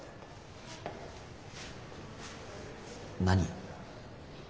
何？